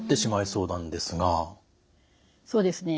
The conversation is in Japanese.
そうですね。